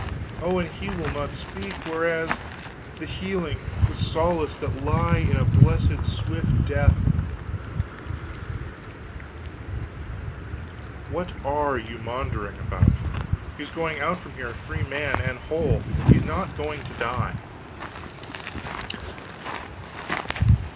Oh, and he will not speak! whereas, the healing, the solace that lie in a blessed swift death " "What are you maundering about? He's going out from here a free man and whole he's not going to die."